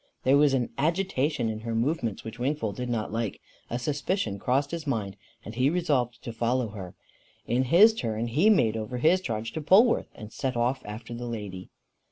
There was an agitation in her movements which Wingfold did not like; a suspicion crossed his mind, and he resolved to follow her. In his turn he made over his charge to Polwarth, and set off after the lady.